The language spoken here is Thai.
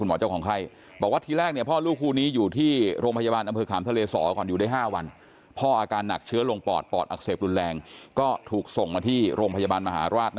สำหรับที่สุดในชีวิตครับมองไปเห็นลูกนั่นมองดูเราแล้วก็ไม่รู้จะทำยังไงครับ